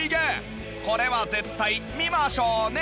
これは絶対見ましょうね。